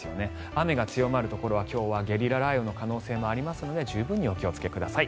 雨が強まるところは今日はゲリラ雷雨の可能性もありますので十分にお気をつけください。